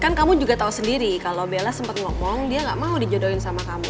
kan kamu juga tahu sendiri kalau bella sempat ngomong dia gak mau dijodohin sama kamu